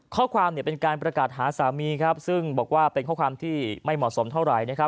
ข้อความเป็นการประกาศหาสามีครับซึ่งบอกว่าเป็นข้อความที่ไม่เหมาะสมเท่าไหร่นะครับ